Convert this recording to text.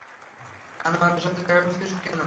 আনোয়ারের সাথে দেখা করেছিল কেন?